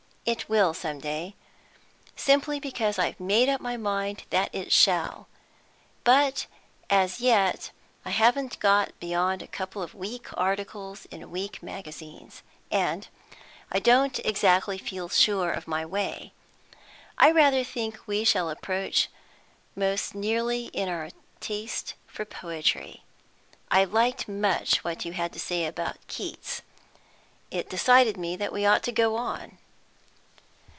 It will some day; simply because I've made up my mind that it shall; but as yet I haven't got beyond a couple of weak articles in weak magazines, and I don't exactly feel sure of my way. I rather think we shall approach most nearly in our taste for poetry. I liked much what you had to say about Keats. It decided me that we ought to go on."